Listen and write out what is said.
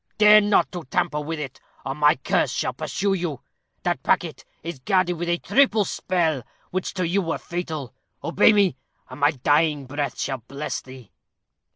Dare not to tamper with it, or my curse shall pursue you. That packet is guarded with a triple spell, which to you were fatal. Obey me, and my dying breath shall bless thee."